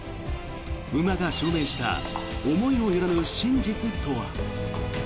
馬が証明した思いもよらぬ真実とは？